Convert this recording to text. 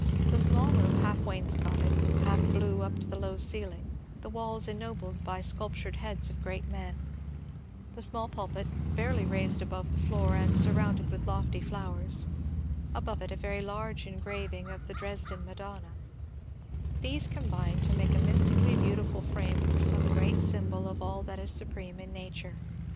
The small room half wainscotted, half blue up to the low ceiling ; the walls ennobled by sculptured heads of great men ; the small pulpit barely raised above the floor and surrounded with lofty flowers, — above it a very large engraving of the Dresden Ma donna : these combined to make a mystically beautiful frame for some great symbol of all that is supreme in nature.